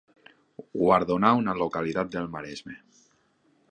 Guardonar una localitat del Maresme.